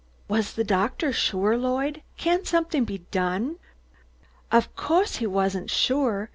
"Was the doctor sure, Lloyd? Can't something be done?" "Of co'se he wasn't suah.